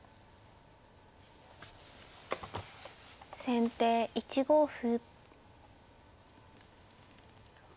先手１五歩。